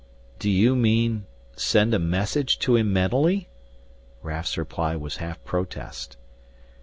"Do you mean send a message to him mentally!" Raf's reply was half protest.